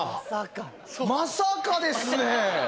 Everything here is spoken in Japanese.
まさかですね。